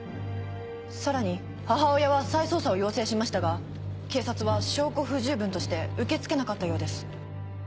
さらに母親は再捜査を要請しましたが警察は証拠不十分として受け付けなかったようです。